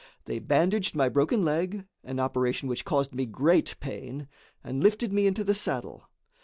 They bandaged my broken leg an operation which caused me great pain and lifted me into the saddle.